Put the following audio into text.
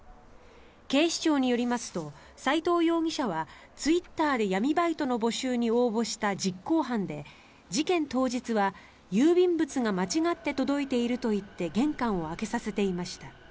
警視庁によりますと斎藤容疑者はツイッターで闇バイトの募集に応募した実行犯で、事件当日は郵便物が間違って届いていると言って玄関を開けさせていました。